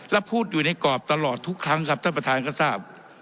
และพูดอยู่ในกรอบตลอดทุกครั้งครับท่านประธานก็ทราบ